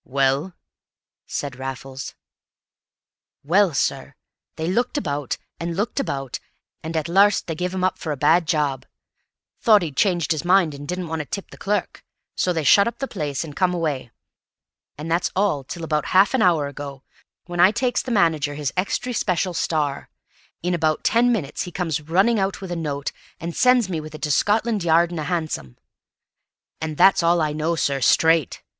"Well?" said Raffles. "Well, sir, they looked about, an' looked about, an' at larst they give him up for a bad job; thought he'd changed his mind an' didn't want to tip the clurk; so they shut up the place an' come away. An' that's all till about 'alf an hour ago, when I takes the manager his extry speshul Star; in about ten minutes he comes running out with a note, an' sends me with it to Scotland Yard in a hansom. An' that's all I know, sir straight.